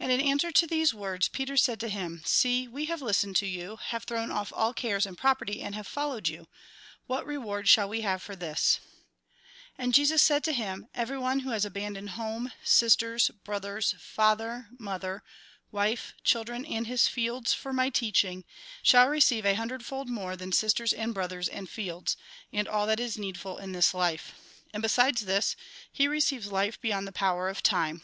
And in answer to these words, Peter said to him :" See, we have listened to you, have thrown off all cares and property, and have followed you. What reward shall we have for this ?" And Jesus said to him :" Everyone who has abandoned home, sisters, brothers, father, mother, wife, children, and his fields, for my teaching, shall receive a hundredfold more than sisters and brothers and fields, and all that is needful in this life; and besides this, he receives life beyond the power of time.